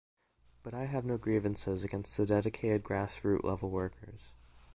But I have no grievances against the dedicated grassroot-level workers.